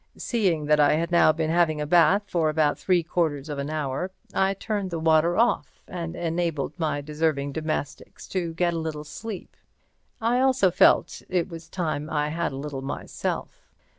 Seeing that I had now been having a bath for about three quarters of an hour, I turned the water off, and enabled my deserving domestics to get a little sleep. I also felt it was time I had a little myself.